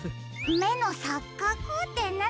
めのさっかくってなんですか？